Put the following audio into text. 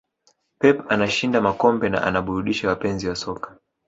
pep anashinda makombe na anaburudisha wapenzi wa soka